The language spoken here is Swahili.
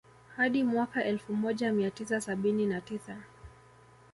Hadi mwaka elfu moja mia tisa sabini na tisa